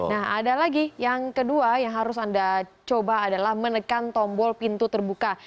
nah ada lagi yang kedua yang harus anda coba adalah menekan tombol pintu terbuka